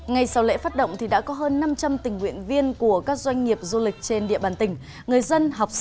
ngay sau lễ phát động thì đã có hơn năm trăm linh tình nguyện viên của các doanh nghiệp du lịch trên địa bàn tỉnh người dân